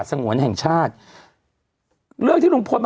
กรมป้องกันแล้วก็บรรเทาสาธารณภัยนะคะ